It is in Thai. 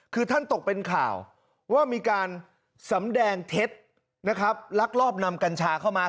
คือท่านตกเป็นข่าวว่ามีการสำแดงเท็จนะครับลักลอบนำกัญชาเข้ามา